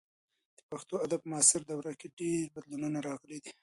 د پښتو ادب په معاصره دوره کې ډېر بدلونونه راغلي دي.